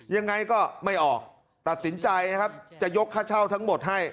ยังไงก็ไม่ออกตัดสินใจนะครับจะยกค่าเช่าทั้งหมดให้